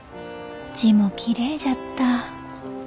字もきれいじゃった。